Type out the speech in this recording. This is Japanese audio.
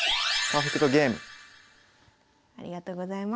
ありがとうございます。